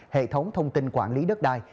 hệ thống thông tin quản lý đất đai